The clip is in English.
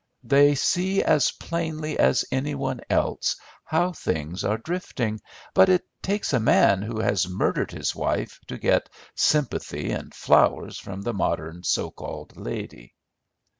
They see as plainly as any one else how things are drifting; but it takes a man who has murdered his wife to get sympathy and flowers from the modern so called lady."